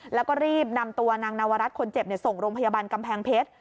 แล้วก็รีบนำตัวนางนวรัฐคนเจ็บส่งโรงพยาบาลกำแพงเพชร